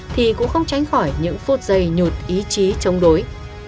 thì cũng không tránh khỏi những phút giây nhụt ý chí chống đối